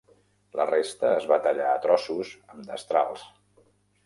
La resta es va tallar a trossos amb destrals...